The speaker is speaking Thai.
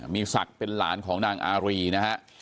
มีศักดิ์เป็นหลานของนางอารีนะฮะ